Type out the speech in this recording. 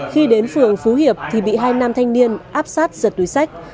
khi đến phường phú hiệp thì bị hai nam thanh niên áp sát giật túi sách